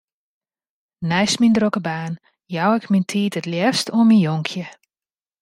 Neist myn drokke baan jou ik myn tiid it leafst oan myn jonkje.